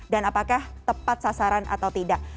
dan apakah tepat sasaran atau tidak